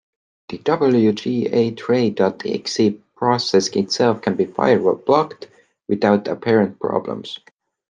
The wgatray dot exe process itself can be firewall blocked, without apparent problems.